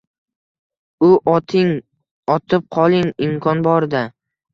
U, oting, otib qoling imkon borida.